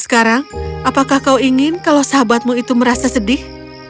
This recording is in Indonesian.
sekarang apakah kau ingin kalau sahabatmu itu merasa sedih